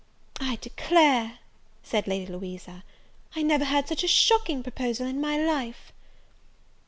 "I declare," said Lady Louisa, "I never heard such a shocking proposal in my life!"